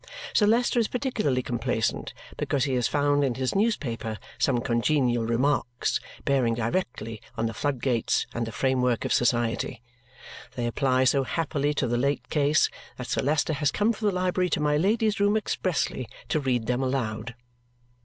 Sir Leicester is particularly complacent because he has found in his newspaper some congenial remarks bearing directly on the floodgates and the framework of society. They apply so happily to the late case that Sir Leicester has come from the library to my Lady's room expressly to read them aloud.